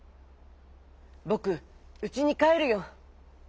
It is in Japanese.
「ぼくうちにかえるよ。